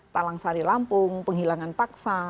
talang sari lampung penghilangan paksa